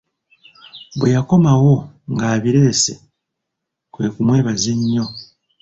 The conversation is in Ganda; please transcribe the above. Bwe yakomawo ng'abireese, kwe kumwebaza ennyo.